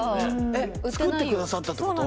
えっ作ってくださったってこと？